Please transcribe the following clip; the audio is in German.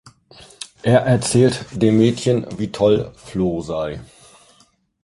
Er erzählt dem Mädchen, wie toll Flo sei.